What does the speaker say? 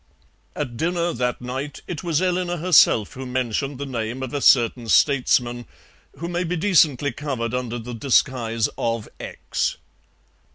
At dinner that night it was Eleanor herself who mentioned the name of a certain statesman, who may be decently covered under the disguise of X.